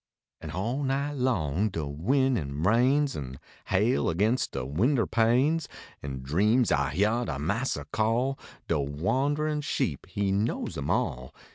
An all night long de win an rains, An hail against de winder panes, In dreams I hyar de massa call De wanderin sheep, he knows em all.